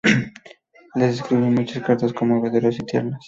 Le escribió muchas cartas conmovedoras y tiernas.